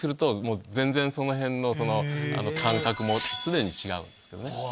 そのへんの感覚も既に違うんですけどね。